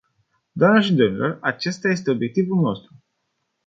Doamnelor și domnilor, acesta este obiectivul nostru.